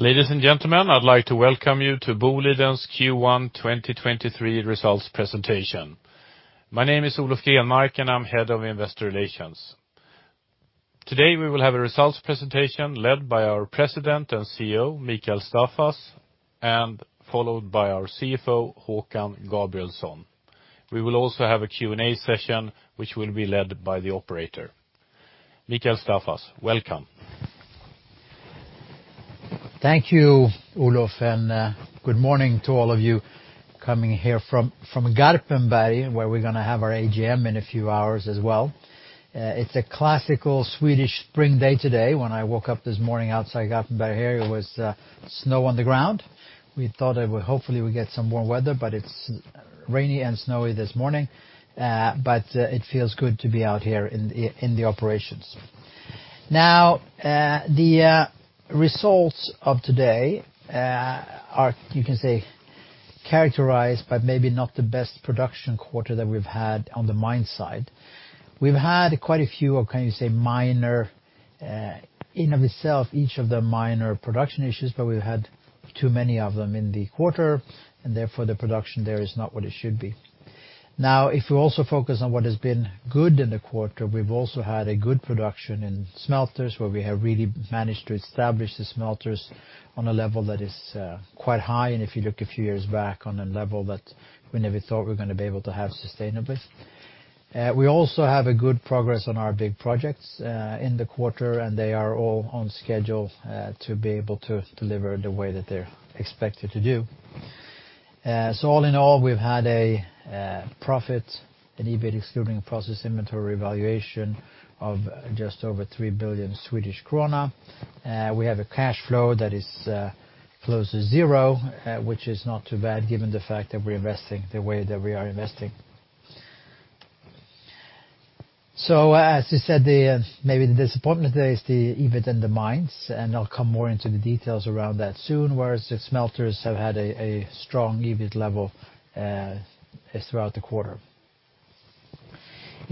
Ladies and gentlemen, I'd like to welcome you to Boliden's Q1 2023 Results Presentation. My name is Olof Grenmark, and I'm Head of Investor Relations. Today, we will have a results presentation led by our President and CEO, Mikael Staffas, and followed by our CFO, Håkan Gabrielsson. We will also have a Q&A session, which will be led by the operator. Mikael Staffas, welcome. Thank you, Olof, and good morning to all of you coming here from Garpenberg, where we're gonna have our AGM in a few hours as well. It's a classical Swedish spring day today. When I woke up this morning, outside Garpenberg here, it was snow on the ground. We thought that hopefully we get some warm weather, but it's rainy and snowy this morning. But it feels good to be out here in the operations. Now, the results of today are, you can say, characterized by maybe not the best production quarter that we've had on the mine side. We've had quite a few of, can you say, minor, in of itself, each of them minor production issues, but we've had too many of them in the quarter, and therefore, the production there is not what it should be. If we also focus on what has been good in the quarter, we've also had a good production in smelters, where we have really managed to establish the smelters on a level that is quite high, and if you look a few years back, on a level that we never thought we're gonna be able to have sustainably. We also have a good progress on our big projects, in the quarter, and they are all on schedule, to be able to deliver the way that they're expected to do. All in all, we've had a profit and EBIT excluding process inventory valuation of just over 3 billion Swedish krona. We have a cash flow that is close to zero, which is not too bad given the fact that we're investing the way that we are investing. As I said, the maybe the disappointment is the EBIT in the mines, and I'll come more into the details around that soon, whereas the smelters have had a strong EBIT level throughout the quarter.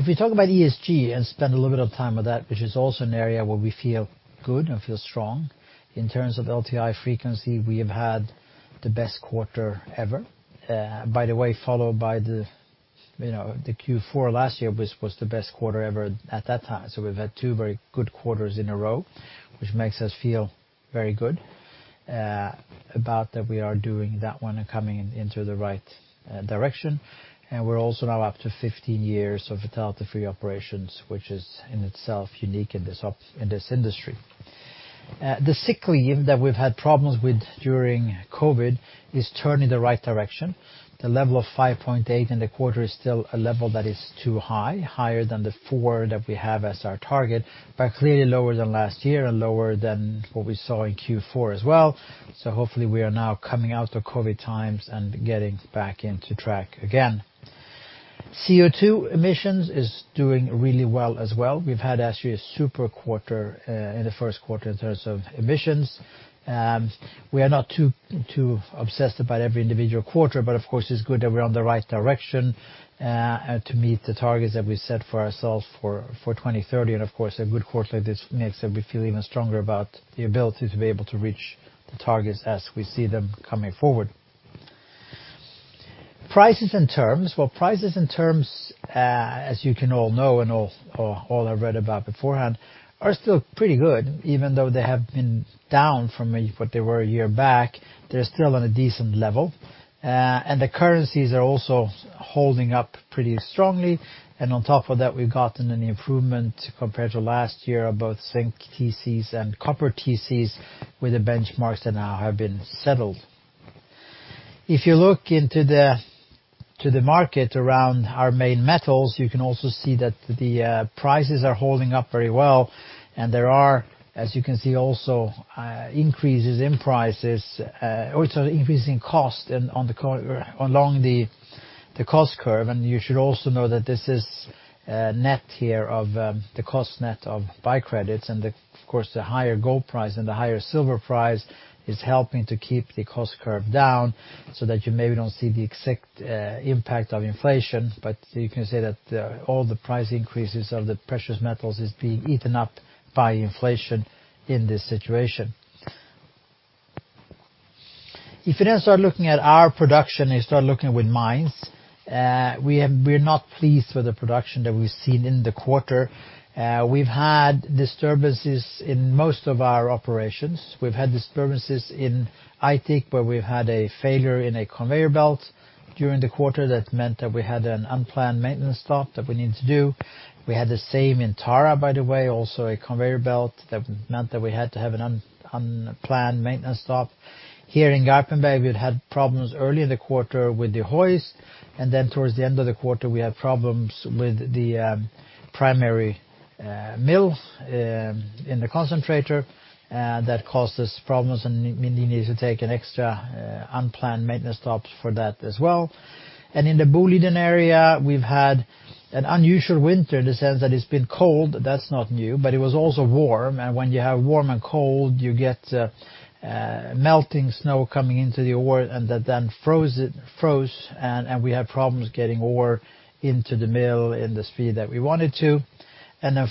We talk about ESG and spend a little bit of time with that, which is also an area where we feel good and feel strong. In terms of LTI frequency, we have had the best quarter ever. by the way, followed by the, you know, the Q4 last year, which was the best quarter ever at that time. We've had two very good quarters in a row, which makes us feel very good about that we are doing that one and coming into the right direction. We're also now up to 50 years of fatality-free operations, which is in itself unique in this industry. The sick leave that we've had problems with during COVID is turning the right direction. The level of 5.8 in the quarter is still a level that is too high, higher than the four that we have as our target, but clearly lower than last year and lower than what we saw in Q4 as well. Hopefully, we are now coming out of COVID times and getting back into track again. CO2 emissions is doing really well as well. We've had actually a super quarter in the 1st quarter in terms of emissions. We are not too obsessed about every individual quarter, but of course, it's good that we're on the right direction to meet the targets that we set for ourselves for 2030. Of course, a good quarter like this makes we feel even stronger about the ability to be able to reach the targets as we see them coming forward. Prices and terms. Well, prices and terms as you can all know and all have read about beforehand, are still pretty good. Even though they have been down from what they were a year back, they're still on a decent level. The currencies are also holding up pretty strongly. On top of that, we've gotten an improvement compared to last year of both zinc TCs and copper TCs with the benchmarks that now have been settled. If you look into the market around our main metals, you can also see that the prices are holding up very well. There are, as you can see, also increases in prices, also increasing cost along the cost curve. You should also know that this is net here of the cost net of byproducts. Of course, the higher gold price and the higher silver price is helping to keep the cost curve down so that you maybe don't see the exact impact of inflation. You can say that all the price increases of the precious metals is being eaten up by inflation in this situation. If you start looking at our production and start looking with mines, we're not pleased with the production that we've seen in the quarter. We've had disturbances in most of our operations. We've had disturbances in Aitik, where we've had a failure in a conveyor belt during the quarter. That meant that we had an unplanned maintenance stop that we needed to do. We had the same in Tara, by the way, also a conveyor belt that meant that we had to have an unplanned maintenance stop. Here in Garpenberg, we'd had problems early in the quarter with the hoist, then towards the end of the quarter, we had problems with the primary mill in the concentrator that caused us problems and we needed to take an extra unplanned maintenance stops for that as well. In the Boliden Area, we've had an unusual winter in the sense that it's been cold. That's not new, but it was also warm. When you have warm and cold, you get melting snow coming into the ore, and that then froze it, froze, and we have problems getting ore into the mill in the speed that we wanted to.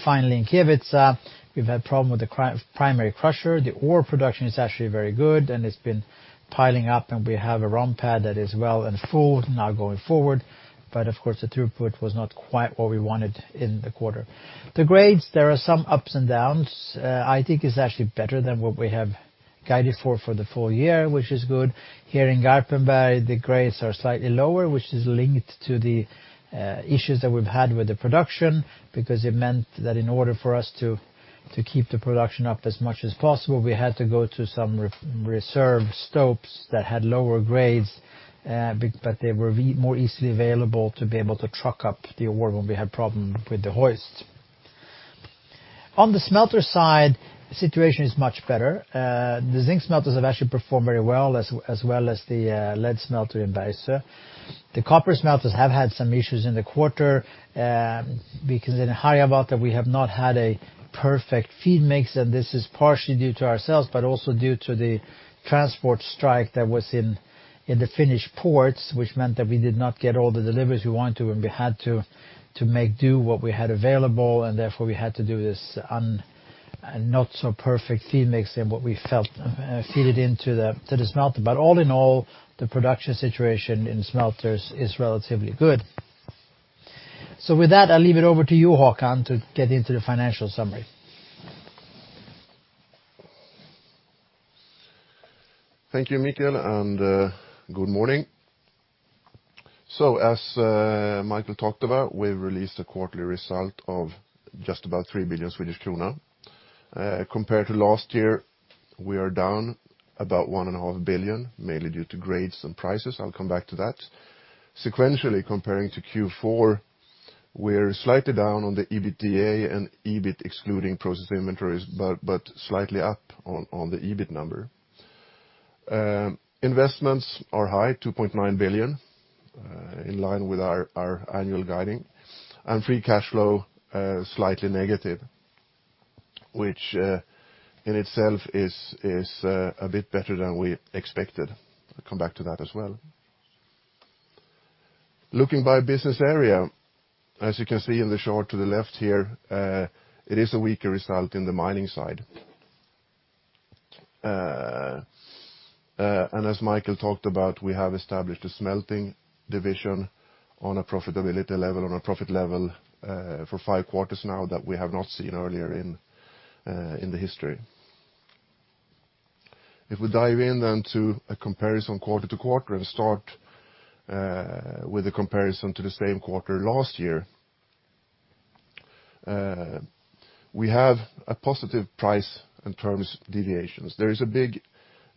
Finally, in Kevitsa, we've had problem with the primary crusher. The ore production is actually very good, and it's been piling up, and we have a ROM pad that is well and full now going forward. Of course, the throughput was not quite what we wanted in the quarter. The grades, there are some ups and downs. I think it's actually better than what we have guided for the full year, which is good. Here in Garpenberg, the grades are slightly lower, which is linked to the issues that we've had with the production because it meant that in order for us to keep the production up as much as possible, we had to go to some re-reserve stopes that had lower grades, but they were more easily available to be able to truck up the ore when we had problem with the hoist. On the smelter side, situation is much better. The zinc smelters have actually performed very well, as well as the lead smelter in Bergsöe. The copper smelters have had some issues in the quarter because in Harjavalta we have not had a perfect feed mix, and this is partially due to ourselves, but also due to the transport strike that was in the Finnish ports, which meant that we did not get all the deliveries we want to, and we had to make do what we had available, and therefore we had to do this not so perfect feed mix and what we felt feed it into the smelter. All in all, the production situation in smelters is relatively good. With that, I'll leave it over to you, Håkan, to get into the financial summary. Thank you, Mikael, and good morning. As Mikael talked about, we've released a quarterly result of just about 3 billion Swedish krona. Compared to last year, we are down about 1.5 billion SEK, mainly due to grades and prices. I'll come back to that. Sequentially comparing to Q4, we're slightly down on the EBITDA and EBIT excluding process inventories, but slightly up on the EBIT number. Investments are high, 2.9 billion SEK, in line with our annual guiding. Free cash flow, slightly negative, which in itself is a bit better than we expected. I'll come back to that as well. Looking by business area, as you can see in the chart to the left here, it is a weaker result in the mining side. As Mikael talked about, we have established a smelting division on a profitability level, on a profit level, for five quarters now that we have not seen earlier in the history. If we dive in then to a comparison quarter-to-quarter and start with the comparison to the same quarter last year, we have a positive price in terms deviations. There is a big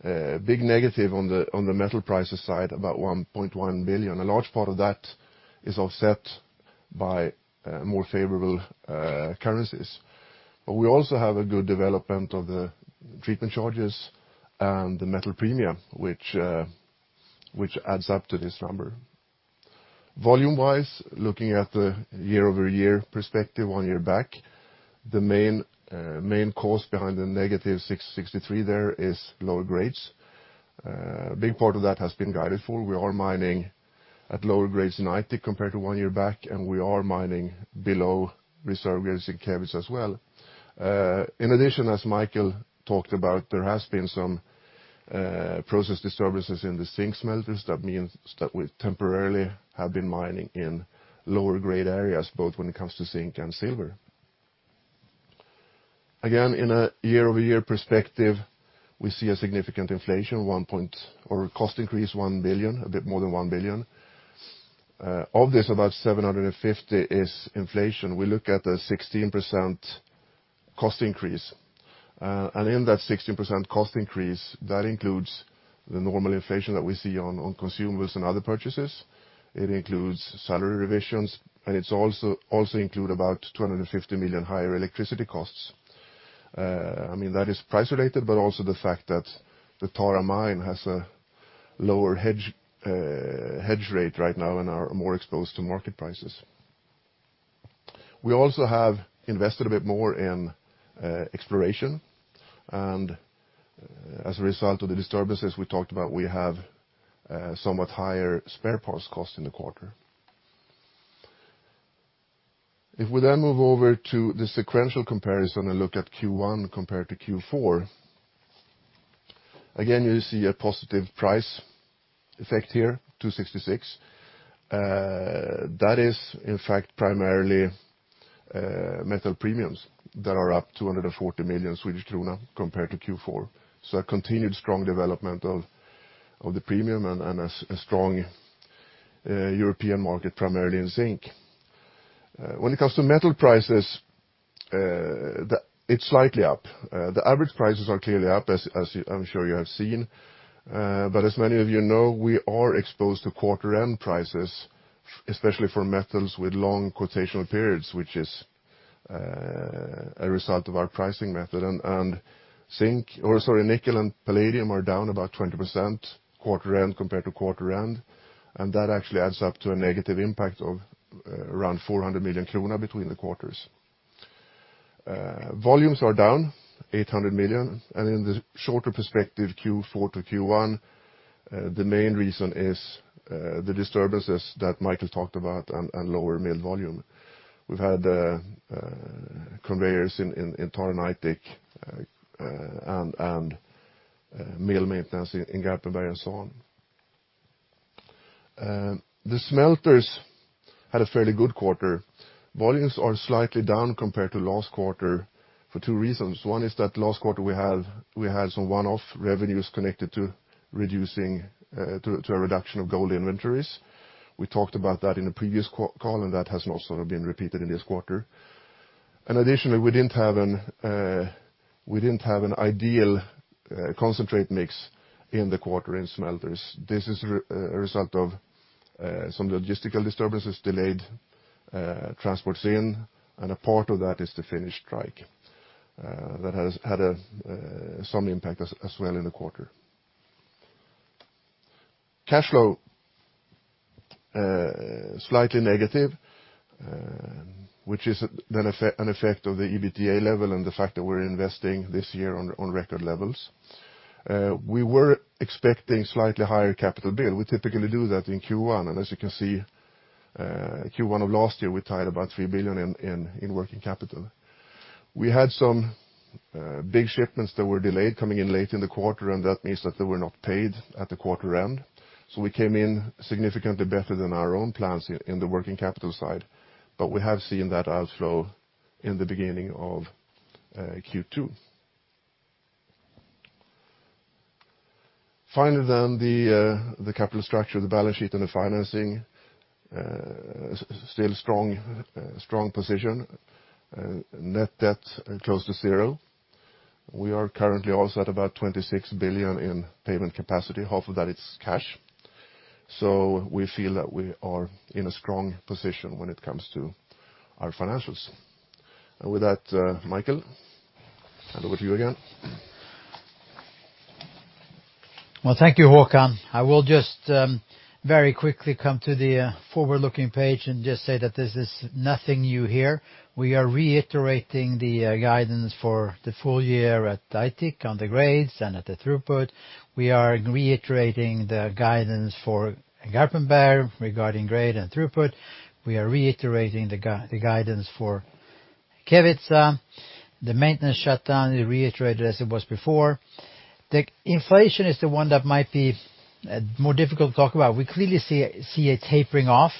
negative on the metal prices side, about 1.1 billion. A large part of that is offset by more favorable currencies. We also have a good development of the treatment charges and the metal premium, which adds up to this number. Volume-wise, looking at the year-over-year perspective one year back, the main cause behind the negative 663 there is lower grades. A big part of that has been guided for. We are mining at lower grades in Aitik compared to one year back, and we are mining below reserve grades in Kevitsa as well. In addition, as Mikael talked about, there has been some process disturbances in the zinc smelters. That means that we temporarily have been mining in lower grade areas, both when it comes to zinc and silver. Again, in a year-over-year perspective, we see a significant inflation, or cost increase, 1 billion, a bit more than 1 billion. Of this, about 750 million is inflation. We look at a 16% cost increase. In that 16% cost increase, that includes the normal inflation that we see on consumers and other purchases. It includes salary revisions, and it also include about 250 million higher electricity costs. I mean, that is price related, but also the fact that the Tara Mine has a lower hedge rate right now and are more exposed to market prices. We also have invested a bit more in exploration, and as a result of the disturbances we talked about, we have somewhat higher spare parts costs in the quarter. If we then move over to the sequential comparison and look at Q1 compared to Q4, again, you see a positive price effect here, 266. That is in fact primarily metal premiums that are up 240 million Swedish krona compared to Q4. A continued strong development of the premium and a strong European market, primarily in zinc. When it comes to metal prices, it's slightly up. The average prices are clearly up, I'm sure you have seen. As many of you know, we are exposed to quarter end prices, especially for metals with long quotational periods, which is a result of our pricing method. Nickel and palladium are down about 20% quarter end compared to quarter end, and that actually adds up to a negative impact of around 400 million krona between the quarters. Volumes are down 800 million, and in the shorter perspective Q4 to Q1, the main reason is the disturbances that Mikael talked about and lower mill volume. We've had conveyors in Tara, Aitik, and mill maintenance in Garpenberg and so on. The smelters had a fairly good quarter. Volumes are slightly down compared to last quarter for two reasons. One is that last quarter we had some one-off revenues connected to reducing to a reduction of gold inventories. We talked about that in a previous call, and that has not sort of been repeated in this quarter. Additionally, we didn't have an ideal concentrate mix in the quarter in smelters. This is a result of some logistical disturbances, delayed transports in, and a part of that is the Finnish strike that has had some impact as well in the quarter. Cash flow slightly negative, which is an effect of the EBITDA level and the fact that we're investing this year on record levels. We were expecting slightly higher capital bid. We typically do that in Q1, as you can see, Q1 of last year, we tied about 3 billion in working capital. We had some big shipments that were delayed coming in late in the quarter. That means that they were not paid at the quarter end. We came in significantly better than our own plans in the working capital side, but we have seen that outflow in the beginning of Q2. Finally, the capital structure, the balance sheet, and the financing, still strong position. Net debt close to zero. We are currently also at about 26 billion in payment capacity. Half of that it's cash. We feel that we are in a strong position when it comes to our financials. With that, Mikael, hand over to you again. Well, thank you, Håkan. I will just, very quickly come to the forward-looking page and just say that this is nothing new here. We are reiterating the guidance for the full year at Aitik on the grades and at the throughput. We are reiterating the guidance for Garpenberg regarding grade and throughput. We are reiterating the guidance for Kevitsa. The maintenance shutdown is reiterated as it was before. The inflation is the one that might be more difficult to talk about. We clearly see a tapering off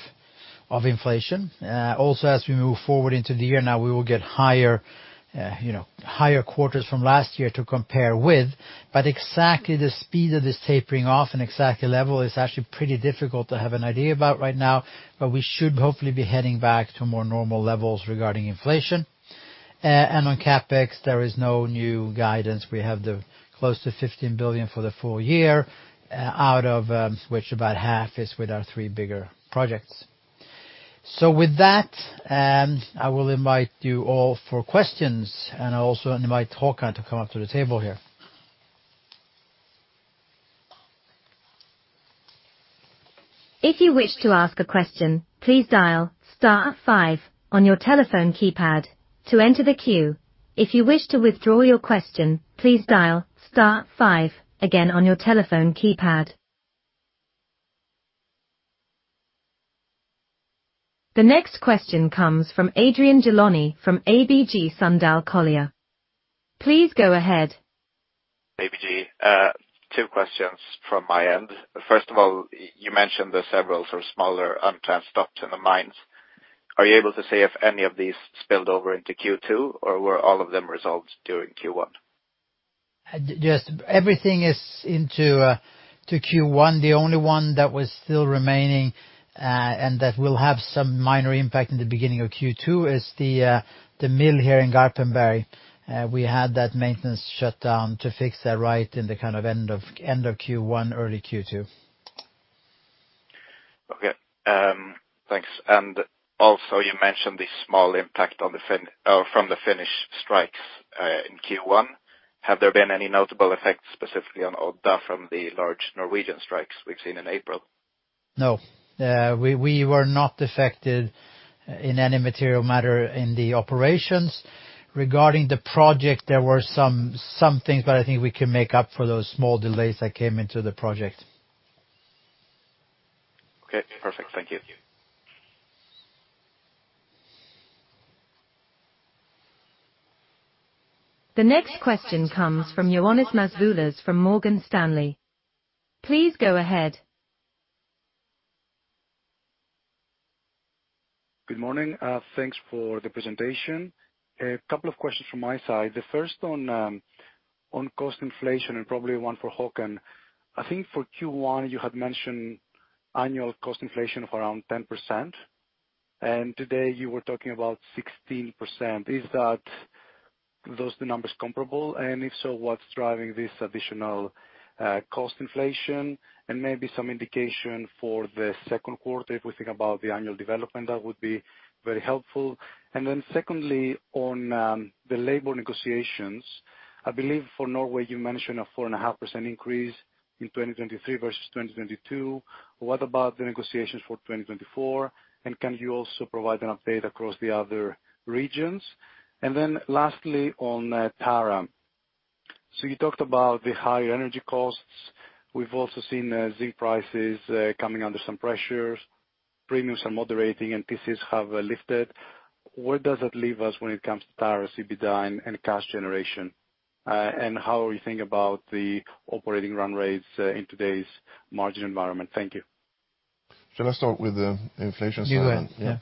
of inflation. As we move forward into the year now, we will get higher, you know, higher quarters from last year to compare with. Exactly the speed of this tapering off and exactly level is actually pretty difficult to have an idea about right now, but we should hopefully be heading back to more normal levels regarding inflation. On CapEx, there is no new guidance. We have the close to 15 billion for the full year, out of which about half is with our three bigger projects. With that, I will invite you all for questions, and I also invite Håkan to come up to the table here. If you wish to ask a question, please dial star five on your telephone keypad to enter the queue. If you wish to withdraw your question, please dial star five again on your telephone keypad. The next question comes from Adrian Gilani from ABG Sundal Collier. Please go ahead. ABG. Two questions from my end. First of all, you mentioned the several sort of smaller unplanned stops in the mines. Are you able to say if any of these spilled over into Q2, or were all of them resolved during Q1? Just everything is into to Q1. The only one that was still remaining, and that will have some minor impact in the beginning of Q2 is the mill here in Garpenberg. We had that maintenance shut down to fix that right in the kind of end of, end of Q1, early Q2. Okay. Thanks. You mentioned the small impact from the Finnish strikes, in Q1. Have there been any notable effects, specifically on Odda from the large Norwegian strikes we've seen in April? No. we were not affected in any material matter in the operations. Regarding the project, there were some things, but I think we can make up for those small delays that came into the project. Okay. Perfect. Thank you. The next question comes from Ioannis Masvoulas from Morgan Stanley. Please go ahead. Good morning. Thanks for the presentation. A couple of questions from my side. The first on cost inflation and probably one for Håkan. I think for Q1, you had mentioned annual cost inflation of around 10%, and today you were talking about 16%. Are those two numbers comparable? If so, what's driving this additional cost inflation? Maybe some indication for the second quarter if we think about the annual development, that would be very helpful. Secondly, on the labor negotiations I believe for Norway, you mentioned a 4.5% increase in 2023 versus 2022. What about the negotiations for 2024? Can you also provide an update across the other regions? Lastly, on Tara. You talked about the higher energy costs. We've also seen zinc prices coming under some pressures. Premiums are moderating and PCs have lifted. Where does that leave us when it comes to Tara's EBITDA and cash generation, and how are we think about the operating run rates in today's margin environment? Thank you. Should I start with the inflation side? You will, yeah.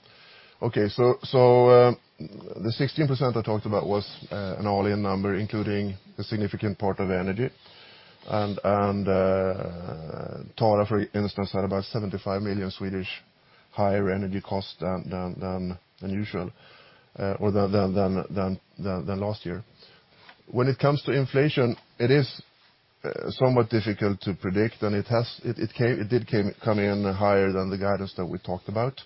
The 16% I talked about was an all-in number, including a significant part of energy and Tara, for instance, had about 75 million higher energy cost than usual or than last year. When it comes to inflation, it is somewhat difficult to predict, and it did come in higher than the guidance that we talked about.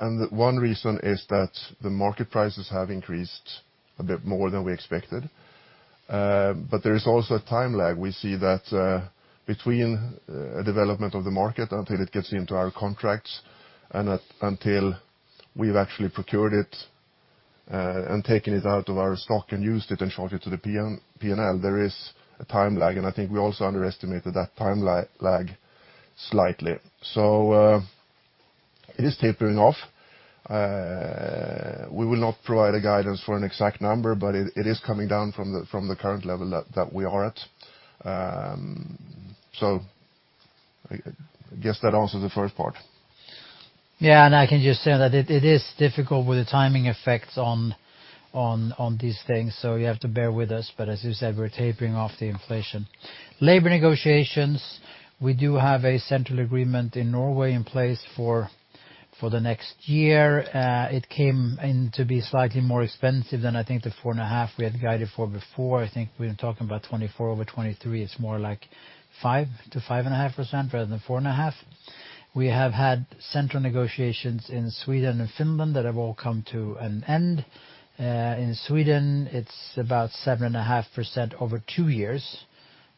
One reason is that the market prices have increased a bit more than we expected. There is also a time lag. We see that, between development of the market until it gets into our contracts and until we've actually procured it and taken it out of our stock and used it and showed it to the P&L, there is a time lag. I think we also underestimated that time lag slightly. It is tapering off. We will not provide a guidance for an exact number, but it is coming down from the current level that we are at. I guess that answers the first part. Yeah. I can just say that it is difficult with the timing effects on these things, so you have to bear with us. As you said, we're tapering off the inflation. Labor negotiations, we do have a central agreement in Norway in place for the next year. It came in to be slightly more expensive than I think the 4.5% we had guided for before. I think we've been talking about 2024 over 2023. It's more like 5%-5.5% rather than 4.5%. We have had central negotiations in Sweden and Finland that have all come to an end. In Sweden, it's about 7.5% over two years,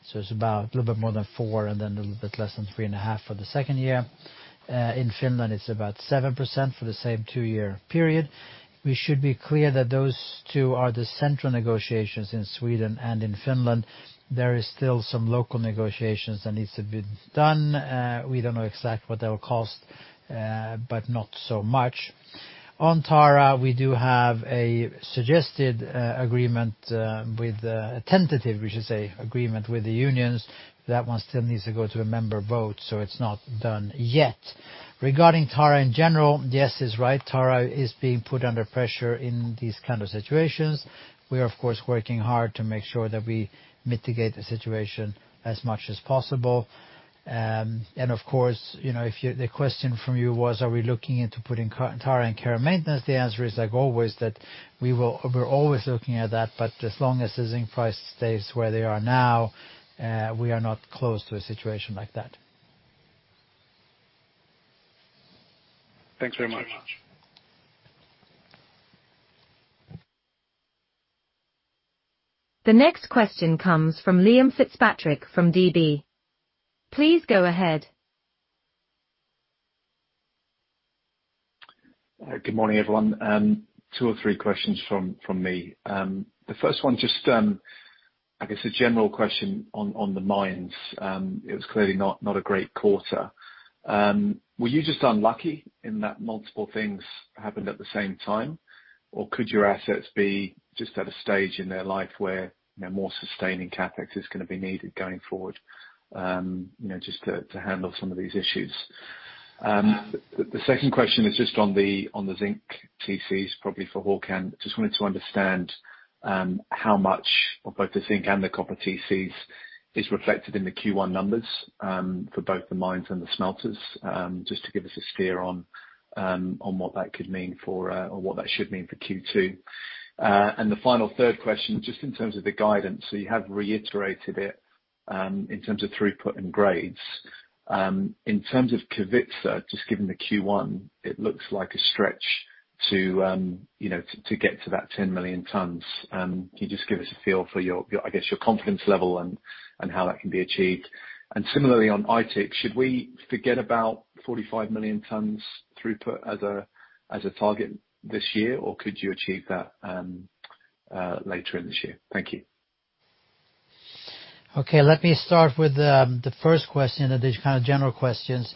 so it's about a little bit more than four and then a little bit less than three and a half for the second year. In Finland, it's about 7% for the same two-year period. We should be clear that those two are the central negotiations in Sweden and in Finland. There is still some local negotiations that needs to be done. We don't know exactly what they will cost, but not so much. On Tara, we do have a suggested agreement, a tentative, we should say, agreement with the unions. That one still needs to go to a member vote, so it's not done yet. Regarding Tara in general, yes, it's right. Tara is being put under pressure in these kind of situations. We are, of course, working hard to make sure that we mitigate the situation as much as possible. Of course, you know, the question from you was, are we looking into putting Tara in care maintenance? The answer is, like always, that we're always looking at that, but as long as the zinc price stays where they are now, we are not close to a situation like that. Thanks very much. Thanks very much. The next question comes from Liam Fitzpatrick from DB. Please go ahead. Good morning, everyone. Two or three questions from me. The first one, just, I guess a general question on the mines. It was clearly not a great quarter. Were you just unlucky in that multiple things happened at the same time, or could your assets be just at a stage in their life where, you know, more sustaining CapEx is gonna be needed going forward, you know, just to handle some of these issues? The second question is just on the zinc TCs, probably for Håkan. Just wanted to understand how much of both the zinc and the copper TCs is reflected in the Q1 numbers for both the mines and the smelters, just to give us a steer on what that could mean for or what that should mean for Q2. The final third question, just in terms of the guidance, you have reiterated it in terms of throughput and grades. In terms of Kevitsa, just given the Q1, it looks like a stretch to, you know, to get to that 10 million tons. Can you just give us a feel for your, I guess, your confidence level and how that can be achieved? Similarly on Aitik, should we forget about 45 million tons throughput as a target this year, or could you achieve that, later in this year? Thank you. Okay, let me start with the first question, and these kind of general questions.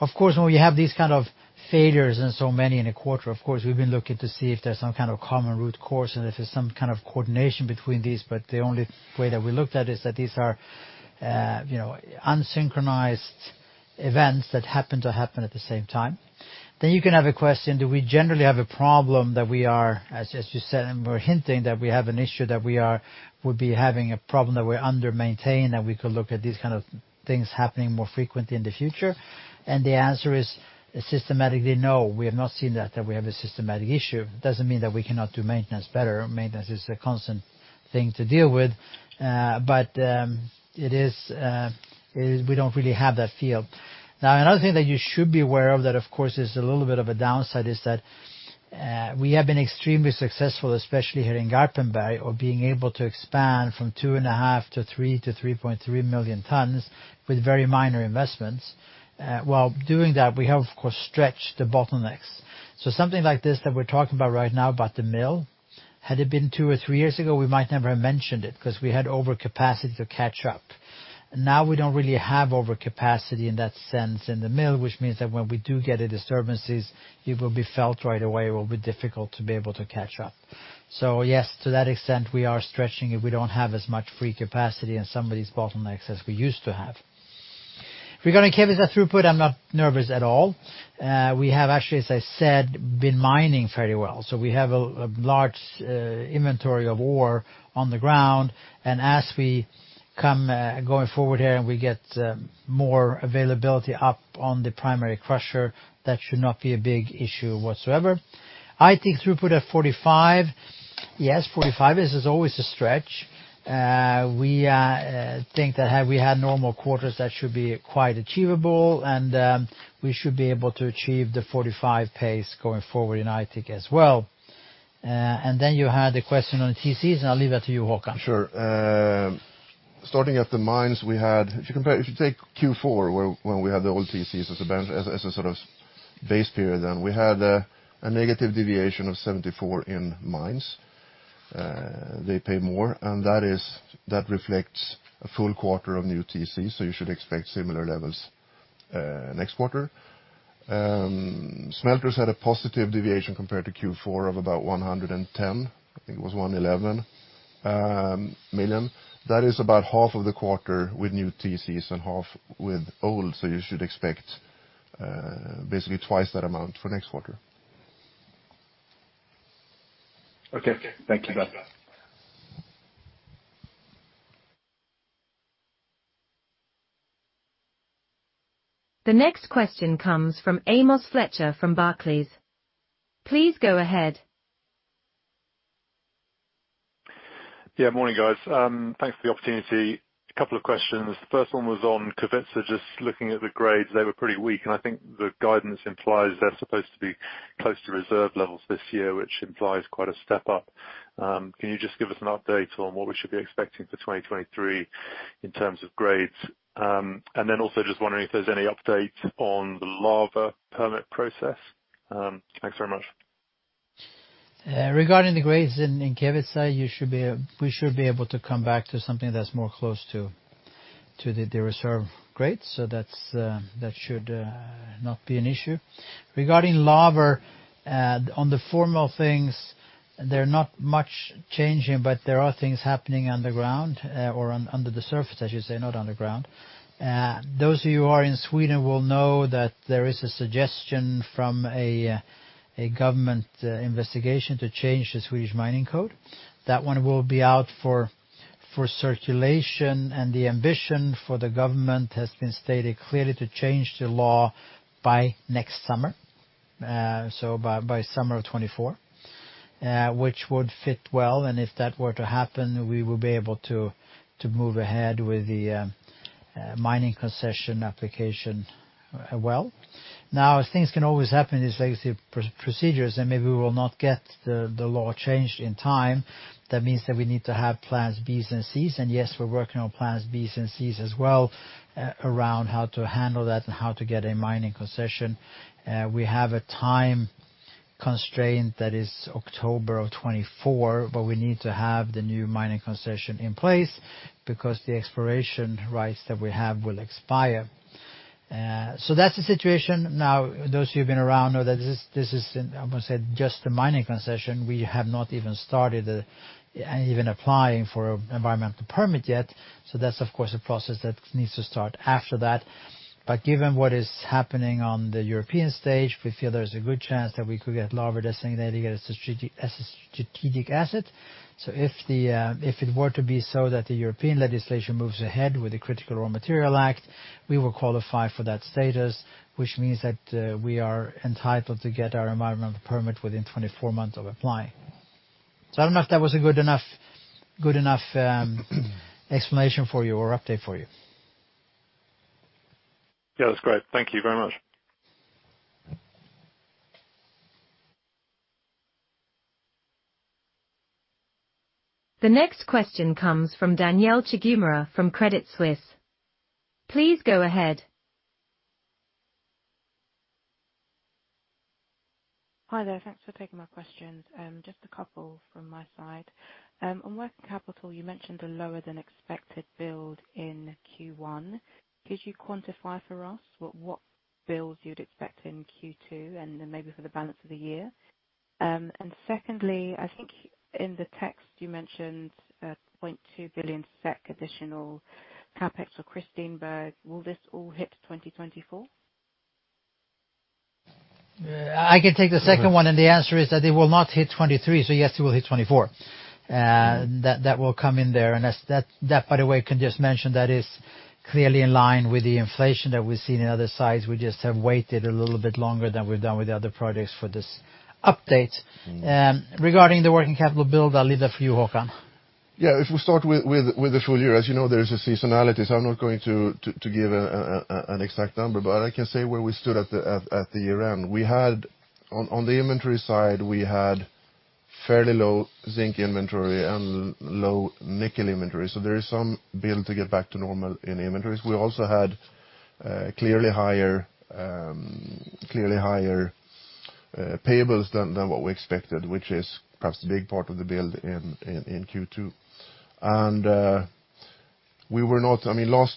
Of course, when we have these kind of failures and so many in a quarter, of course, we've been looking to see if there's some kind of common root cause and if there's some kind of coordination between these. The only way that we looked at is that these are, you know, unsynchronized events that happen to happen at the same time. Then you can have a question, do we generally have a problem that we are, as you said, and we're hinting that we have an issue that we would be having a problem that we're under-maintained, and we could look at these kind of things happening more frequently in the future. The answer is systematically, no. We have not seen that we have a systematic issue. It doesn't mean that we cannot do maintenance better. Maintenance is a constant thing to deal with. It is we don't really have that feel. Now, another thing that you should be aware of that, of course, is a little bit of a downside is that we have been extremely successful, especially here in Garpenberg, of being able to expand from two and a half to three to 3.3 million tons with very minor investments. While doing that, we have, of course, stretched the bottlenecks. Something like this that we're talking about right now about the mill, had it been two or three years ago, we might never have mentioned it 'cause we had overcapacity to catch up. Now we don't really have overcapacity in that sense in the mill, which means that when we do get a disturbances, it will be felt right away. It will be difficult to be able to catch up. Yes, to that extent, we are stretching it. We don't have as much free capacity in some of these bottlenecks as we used to have. Regarding Kevitsa throughput, I'm not nervous at all. We have actually, as I said, been mining fairly well. We have a large inventory of ore on the ground. As we come going forward here and we get more availability up on the primary crusher, that should not be a big issue whatsoever. Aitik throughput at 45. Yes, 45 is always a stretch. Think that had we had normal quarters that should be quite achievable, and we should be able to achieve the 45 pace going forward in Aitik as well. You had the question on TCs, and I'll leave that to you, Håkan. Sure. If you take Q4, where when we had the old TCs as a sort of base period, then we had a negative deviation of 74 in mines. They pay more. That reflects a full quarter of new TC. You should expect similar levels next quarter. Smelters had a positive deviation compared to Q4 of about 110. I think it was 111 million. That is about half of the quarter with new TCs and half with old. You should expect basically twice that amount for next quarter. Okay. Thank you. Bye. The next question comes from Amos Fletcher from Barclays. Please go ahead. Morning, guys. Thanks for the opportunity. A couple of questions. The first one was on Kevitsa. Just looking at the grades, they were pretty weak, and I think the guidance implies they're supposed to be close to reserve levels this year, which implies quite a step up. Can you just give us an update on what we should be expecting for 2023 in terms of grades? And then also just wondering if there's any update on the Laver permit process? Thanks very much. Regarding the grades in Kevitsa, we should be able to come back to something that's more close to the reserve grades. That should not be an issue. Regarding Laver, on the formal things, they're not much changing, but there are things happening underground, or under the surface, I should say, not underground. Those of you who are in Sweden will know that there is a suggestion from a government investigation to change the Swedish Mining Code. That one will be out for circulation, the ambition for the government has been stated clearly to change the law by next summer, so by summer of 2024, which would fit well. If that were to happen, we will be able to move ahead with the mining concession application well. Things can always happen in these legacy procedures, maybe we will not get the law changed in time. That means that we need to have plans Bs and Cs, yes, we're working on plans Bs and Cs as well around how to handle that and how to get a mining concession. We have a time constraint that is October of 2024, we need to have the new mining concession in place because the exploration rights that we have will expire. that's the situation. Those who have been around know that this is, I'm gonna say, just a mining concession. We have not even started even applying for environmental permit yet. That's, of course, a process that needs to start after that. Given what is happening on the European stage, we feel there's a good chance that we could get Laver designated as a strategic asset. If it were to be so that the European legislation moves ahead with the Critical Raw Materials Act, we will qualify for that status, which means that we are entitled to get our environmental permit within 24 months of applying. I don't know if that was a good enough explanation for you or update for you. Yeah. That's great. Thank you very much. The next question comes from Danielle Chigumira from Credit Suisse. Please go ahead. Hi there. Thanks for taking my questions. Just a couple from my side. On working capital, you mentioned a lower than expected build in Q1. Could you quantify for us what builds you'd expect in Q2 and then maybe for the balance of the year? Secondly, I think in the text you mentioned a 0.2 billion SEK additional CapEx for Kristineberg. Will this all hit 2024? I can take the second one. The answer is that they will not hit 2023, so yes, it will hit 2024. That will come in there. As that, by the way, can just mention that is clearly in line with the inflation that we've seen in other sites. We just have waited a little bit longer than we've done with the other projects for this update. Regarding the working capital build, I'll leave that for you, Håkan. Yeah, if we start with the full year, as you know, there is a seasonality, so I'm not going to give an exact number, but I can say where we stood at the year-end. On the inventory side, we had fairly low zinc inventory and low nickel inventory, so there is some build to get back to normal in inventories. We also had clearly higher payables than what we expected, which is perhaps the big part of the build in Q2. I mean,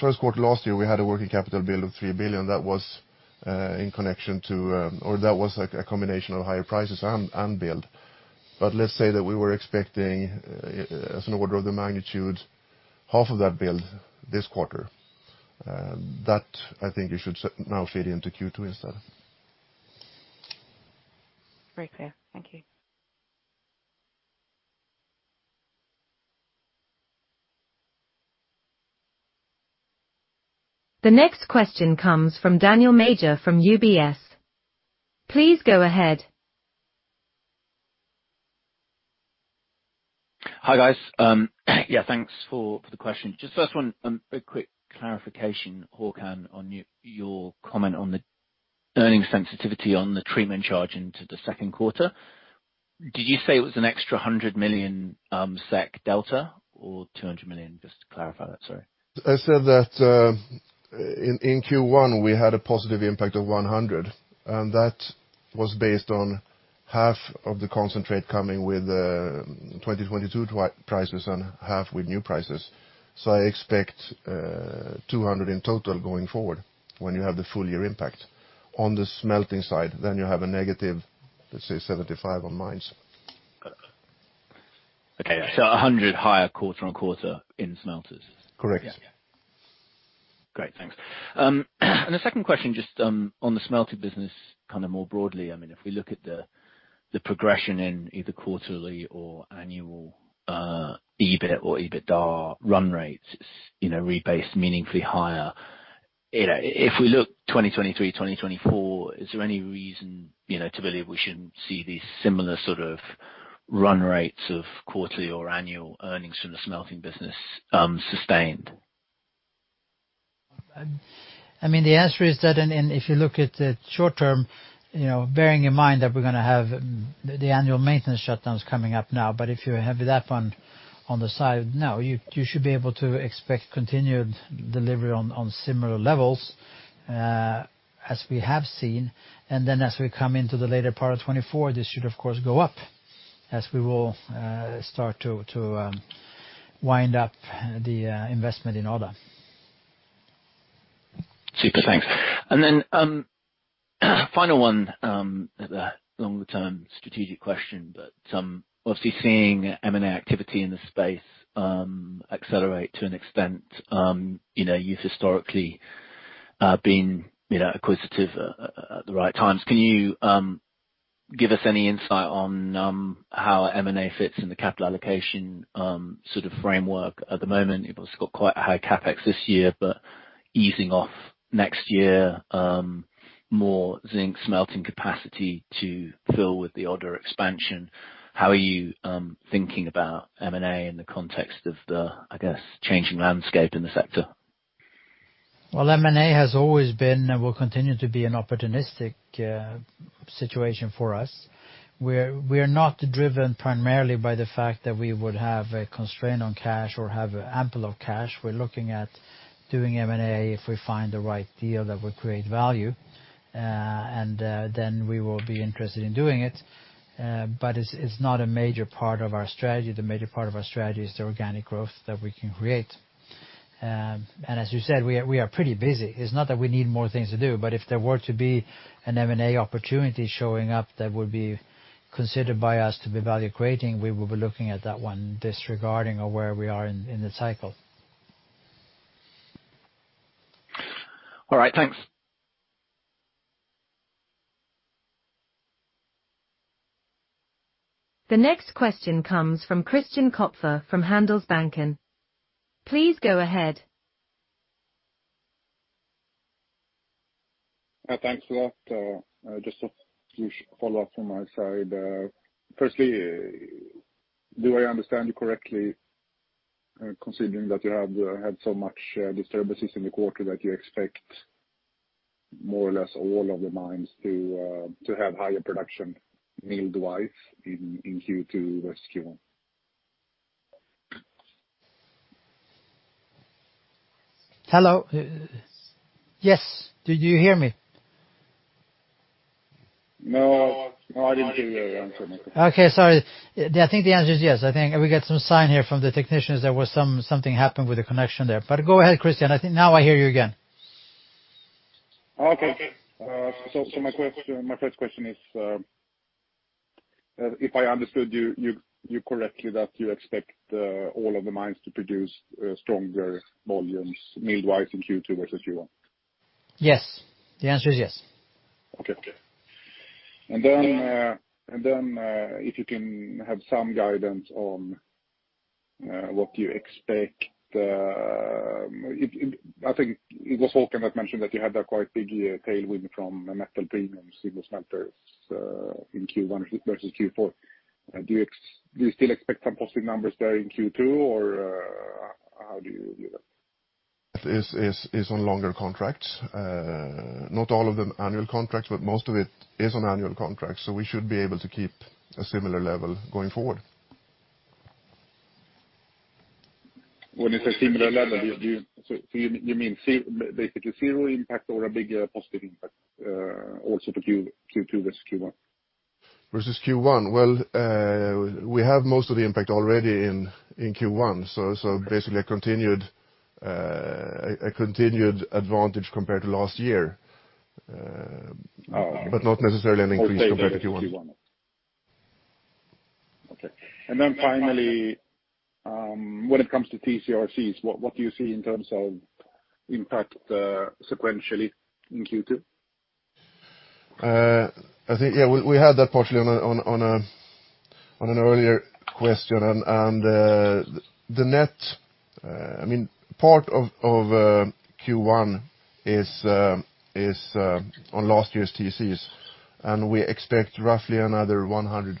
first quarter last year, we had a working capital build of 3 billion. That was in connection to, or that was like a combination of higher prices and build. Let's say that we were expecting, as an order of the magnitude half of that build this quarter. That I think you should now feed into Q2 instead. Very clear. Thank you. The next question comes from Daniel Major from UBS. Please go ahead. Hi, guys. Yeah, thanks for the question. Just first one, a quick clarification, Håkan, on your comment on the earnings sensitivity on the treatment charge into the second quarter. Did you say it was an extra 100 million SEK delta or 200 million? Just to clarify that. Sorry. I said that, in Q1, we had a positive impact of 100, that was based on half of the concentrate coming with 2022 prices and half with new prices. I expect 200 in total going forward when you have the full year impact. On the smelting side, then you have a negative, let's say 75 on mines. Okay. 100 higher quarter-on-quarter in smelters? Correct. Great. Thanks. The second question, just on the smelting business kind of more broadly, I mean, if we look at the progression in either quarterly or annual EBIT or EBITDA run rates, you know, rebased meaningfully higher. You know, if we look 2023, 2024, is there any reason, you know, to believe we shouldn't see these similar sort of run rates of quarterly or annual earnings from the smelting business sustained? I mean, the answer is that and if you look at the short term, you know, bearing in mind that we're gonna have the annual maintenance shutdowns coming up now, but if you have that one on the side, no, you should be able to expect continued delivery on similar levels, as we have seen. As we come into the later part of 2024, this should of course go up as we will, start to wind up the investment in Odda. Super. Thanks. Then, final one, longer term strategic question, but obviously seeing M&A activity in the space accelerate to an extent, you know, you've historically been, you know, acquisitive at the right times. Can you give us any insight on how M&A fits in the capital allocation sort of framework at the moment? You've obviously got quite a high CapEx this year, but easing off next year, more zinc smelting capacity to fill with the Odda expansion. How are you thinking about M&A in the context of the, I guess, changing landscape in the sector? M&A has always been and will continue to be an opportunistic situation for us. We're not driven primarily by the fact that we would have a constraint on cash or have ample of cash. We're looking at doing M&A if we find the right deal that will create value, we will be interested in doing it. It's not a major part of our strategy. The major part of our strategy is the organic growth that we can create. As you said, we are pretty busy. It's not that we need more things to do, but if there were to be an M&A opportunity showing up that would be considered by us to be value creating, we will be looking at that one disregarding of where we are in the cycle. All right. Thanks. The next question comes from Christian Kopfer from Handelsbanken. Please go ahead. Thanks a lot. Just a few follow-up from my side. Firstly, do I understand you correctly, considering that you have had so much disturbances in the quarter that you expect more or less all of the mines to have higher production mill-wide in Q2 versus Q1? Hello? Yes. Did you hear me? No. No, I didn't hear your answer, no. Okay, sorry. I think the answer is yes. I think we get some sign here from the technicians there was something happened with the connection there. Go ahead, Christian, I think now I hear you again. Okay. My question, my first question is, if I understood you correctly, that you expect all of the mines to produce stronger volumes mill-wise in Q2 versus Q1? Yes. The answer is yes. Okay. Then, if you can have some guidance on what you expect, I think it was Håkan that mentioned that you had that quite big tailwind from a metal premium single smelters, in Q1 versus Q4. Do you still expect some positive numbers there in Q2, or how do you view that? It is on longer contracts. Not all of them annual contracts, but most of it is on annual contracts. We should be able to keep a similar level going forward. When you say similar level, do you, so you mean basically zero impact or a bigger positive impact also to Q2 versus Q1? Versus Q1? Well, we have most of the impact already in Q1. Basically a continued advantage compared to last year, not necessarily an increase compared to Q1. Okay. then finally, when it comes to TCRCs, what do you see in terms of impact, sequentially in Q2? I think, yeah, we had that partially on an earlier question. The net, I mean, part of Q1 is on last year's TCs, and we expect roughly another 100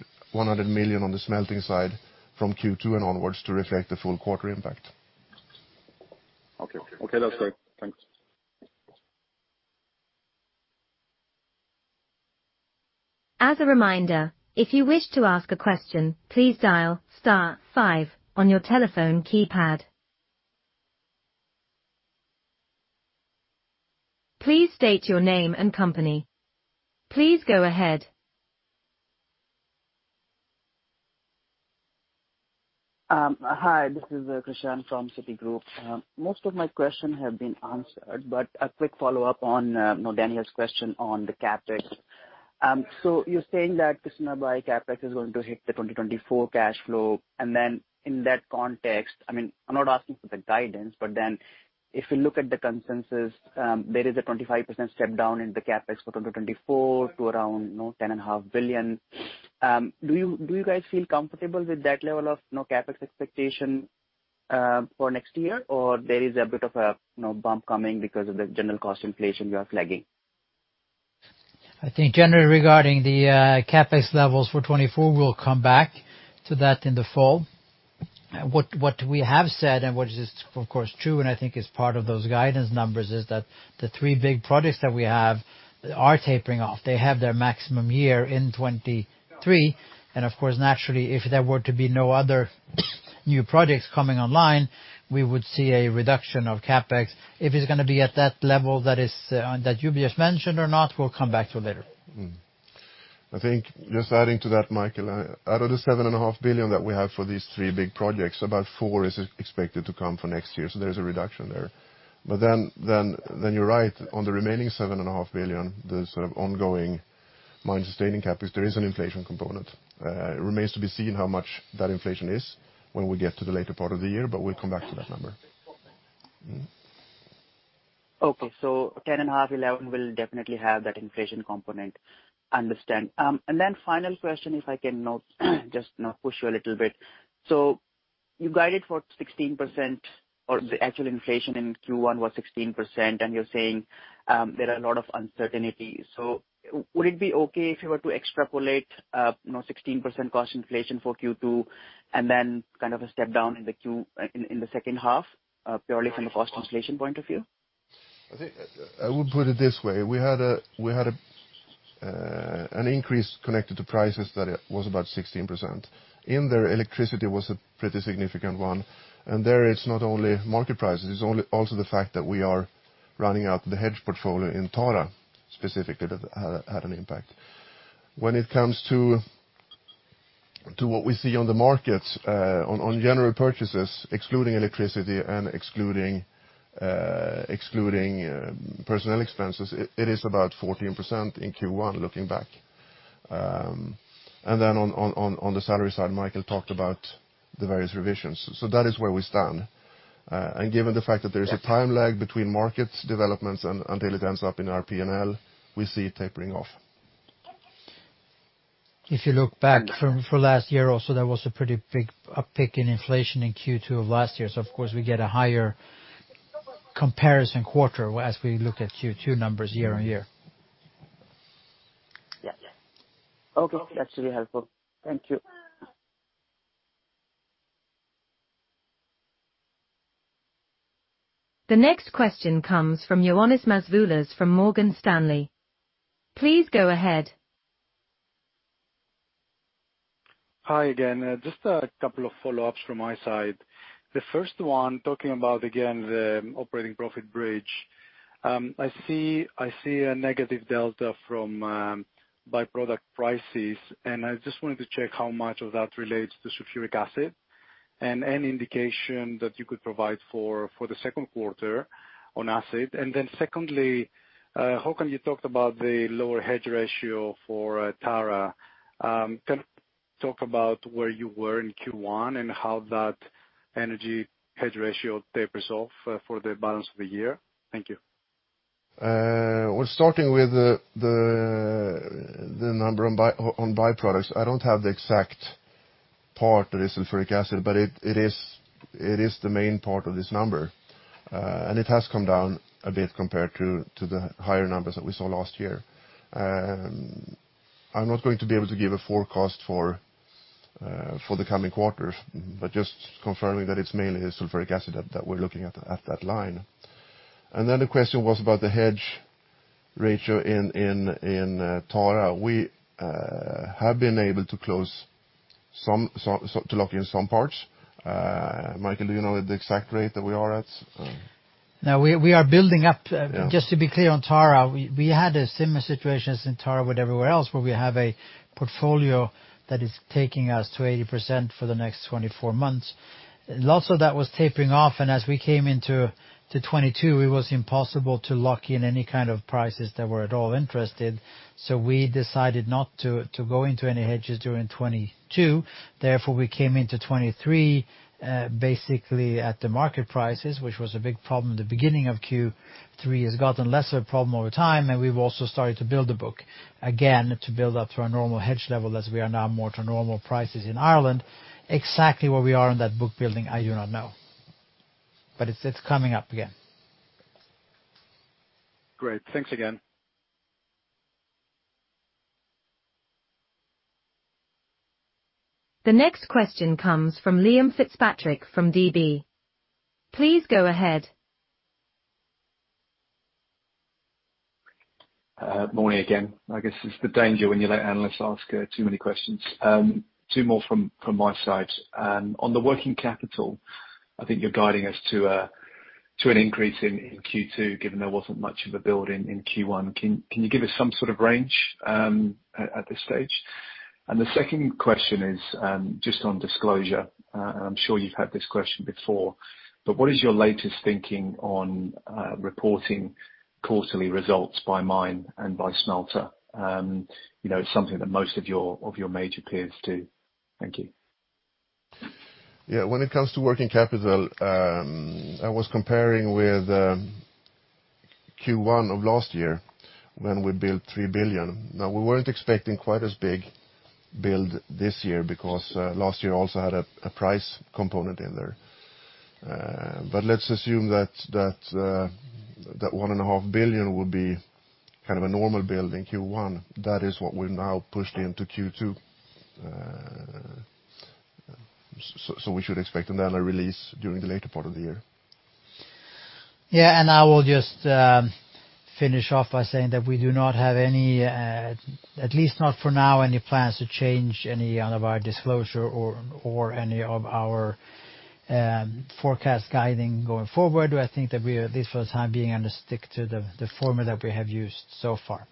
million on the smelting side from Q2 and onwards to reflect the full quarter impact. Okay. Okay, that's great. Thanks. As a reminder, if you wish to ask a question, please dial star five on your telephone keypad. Please state your name and company. Please go ahead. Hi, this is Krishan from Citigroup. Most of my question have been answered, but a quick follow-up on, you know, Daniel's question on the CapEx. You're saying that Kristineberg CapEx is going to hit the 2024 cash flow. In that context, I mean, I'm not asking for the guidance, if you look at the consensus, there is a 25% step down in the CapEx for 2024 to around, you know, 10.5 billion. Do you guys feel comfortable with that level of, you know, CapEx expectation for next year? There is a bit of a, you know, bump coming because of the general cost inflation you are flagging? I think generally regarding the CapEx levels for 2024, we'll come back to that in the fall. What we have said and what is of course true, and I think is part of those guidance numbers, is that the three big projects that we have are tapering off. They have their maximum year in 2023. Of course, naturally, if there were to be no other new projects coming online, we would see a reduction of CapEx. If it's gonna be at that level that you just mentioned or not, we'll come back to later. I think just adding to that, Mikael, out of the seven and a half billion that we have for these three big projects, about 4 billion is expected to come for next year. There is a reduction there. Then you're right, on the remaining seven and a half billion, the sort of ongoing mine-sustaining CapEx, there is an inflation component. It remains to be seen how much that inflation is when we get to the later part of the year, but we'll come back to that number. Okay. 10.5, 11 will definitely have that inflation component. Understand. Final question, if I can now just now push you a little bit. You guided for 16% or the actual inflation in Q1 was 16%, and you're saying, there are a lot of uncertainties. Would it be okay if you were to extrapolate, you know, 16% cost inflation for Q2 and then kind of a step down in the second half, purely from a cost inflation point of view? I think I would put it this way, we had a, we had an increase connected to prices that it was about 16%. In there, electricity was a pretty significant one. There it's not only market prices, it's also the fact that we are running out the hedge portfolio in Tara specifically that had an impact. When it comes to what we see on the markets, on general purchases, excluding electricity and excluding personnel expenses, it is about 14% in Q1 looking back. Then on the salary side, Mikael talked about the various revisions. That is where we stand. Given the fact that there is a time lag between markets developments until it ends up in our P&L, we see it tapering off. If you look back for last year also, there was a pretty big uptick in inflation in Q2 of last year. Of course, we get a higher comparison quarter as we look at Q2 numbers year-on-year. Yeah. Okay. Actually helpful. Thank you. The next question comes from Ioannis Masvoulas from Morgan Stanley. Please go ahead. Hi again. Just a couple of follow-ups from my side. The first one talking about again the operating profit bridge. I see a negative delta from by-product prices, and I just wanted to check how much of that relates to sulfuric acid and any indication that you could provide for the second quarter on acid. Secondly, Håkan, you talked about the lower hedge ratio for Tara. Can you talk about where you were in Q1 and how that energy hedge ratio tapers off for the balance of the year? Thank you. Well starting with the number on byproducts, I don't have the exact part that is sulfuric acid, but it is the main part of this number. It has come down a bit compared to the higher numbers that we saw last year. I'm not going to be able to give a forecast for the coming quarters, but just confirming that it's mainly sulfuric acid that we're looking at that line. The question was about the hedge ratio in Tara. We have been able to close some so to lock in some parts. Mikael, do you know the exact rate that we are at? No, we are building. Yeah. Just to be clear on Tara, we had a similar situation as in Tara with everywhere else, where we have a portfolio that is taking us to 80% for the next 24 months. Lots of that was tapering off, as we came into 2022, it was impossible to lock in any kind of prices that we're at all interested. We decided not to go into any hedges during 2022. We came into 2023, basically at the market prices, which was a big problem. The beginning of Q3 has gotten lesser problem over time, we've also started to build the book. Again, to build up to our normal hedge level as we are now more to normal prices in Ireland. Exactly where we are in that book building, I do not know. It's coming up again. Great. Thanks again. The next question comes from Liam Fitzpatrick from DB. Please go ahead. Morning again. I guess it's the danger when you let analysts ask, too many questions. Two more from my side. On the working capital, I think you're guiding us to an increase in Q2, given there wasn't much of a build in Q1. Can you give us some sort of range at this stage? The second question is, just on disclosure, and I'm sure you've had this question before, but what is your latest thinking on reporting quarterly results by mine and by smelter? You know, something that most of your major peers do. Thank you. Yeah. When it comes to working capital, I was comparing with Q1 of last year when we built 3 billion. We weren't expecting quite as big build this year because last year also had a price component in there. Let's assume that 1.5 billion would be kind of a normal build in Q1. That is what we've now pushed into Q2. So we should expect another release during the later part of the year. Yeah. I will just finish off by saying that we do not have any, at least not for now, any plans to change any of our disclosure or any of our forecast guiding going forward. I think that we are, at least for the time being, gonna stick to the formula that we have used so far.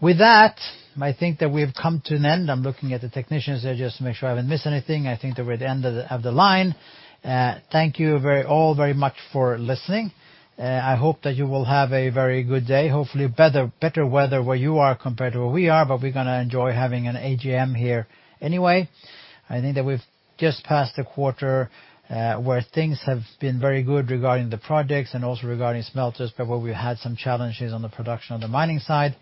With that, I think that we've come to an end. I'm looking at the technicians there just to make sure I haven't missed anything. I think that we're at the end of the line. Thank you all very much for listening. I hope that you will have a very good day. Hopefully better weather where you are compared to where we are, but we're gonna enjoy having an AGM here anyway. I think that we've just passed a quarter, where things have been very good regarding the projects and also regarding smelters, but where we had some challenges on the production on the mining side.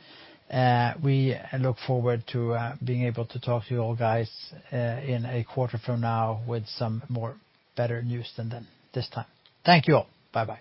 We look forward to being able to talk to you all guys in a quarter from now with some more better news than this time. Thank you all. Bye-bye.